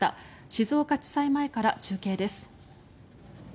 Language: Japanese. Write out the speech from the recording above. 静岡地裁前から中継です。